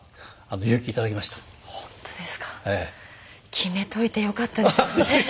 決めといてよかったです。